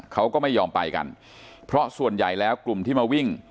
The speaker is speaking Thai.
เขาก็ไม่ยอมไปกันเพราะส่วนใหญ่แล้วกลุ่มที่มาวิ่ง